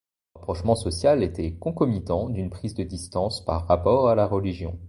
Ce rapprochement social était concomitant d'une prise de distance par rapport à la religion.